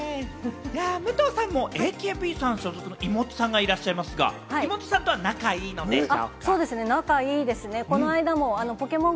武藤さんもＡＫＢさん所属の妹さんがいらっしゃいますが、妹さんと仲いいんですか？